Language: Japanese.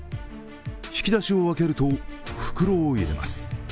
引き出しを開けると、袋を入れます